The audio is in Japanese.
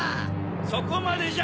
そこまでじゃ！